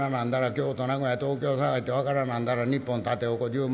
京都名古屋東京捜して分からなんだら日本縦横十文字」。